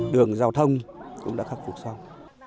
đường giao thông cũng đã khắc phục xong